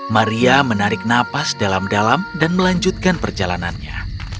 maria menarik nafas dalam dalam dan melanjutkan perjalanannya